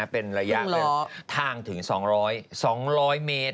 เป็นระยะทางถึง๒๐๐๒๐๐เมตร